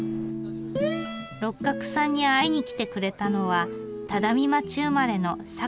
六角さんに会いに来てくれたのは只見町生まれの酒井治子さん。